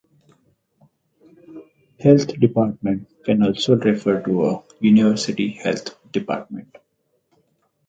"Health department" can also refer to a university health department.